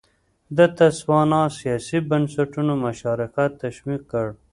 د تسوانا سیاسي بنسټونو مشارکت تشویق کړ.